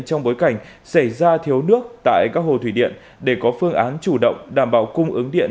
trong bối cảnh xảy ra thiếu nước tại các hồ thủy điện để có phương án chủ động đảm bảo cung ứng điện